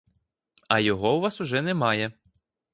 А його у вас уже немає.